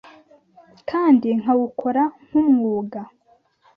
kandi nkawukora nk’umwuga.